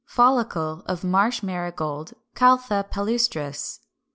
Follicle of Marsh Marigold (Caltha palustris).